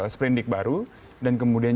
sprinting baru dan kemudian